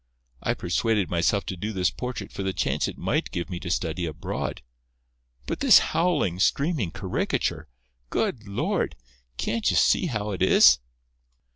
I persuaded myself to do this portrait for the chance it might give me to study abroad. But this howling, screaming caricature! Good Lord! can't you see how it is?"